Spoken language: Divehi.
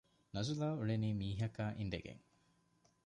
ނަޒުލާ އުޅެނީ މީހަކާ އިނދެގެން